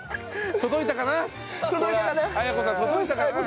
届いたかな？